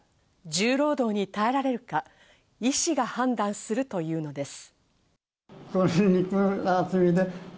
重労働に耐えられるか、医師が判断するというのです。